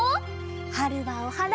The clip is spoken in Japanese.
はるはおはなみ。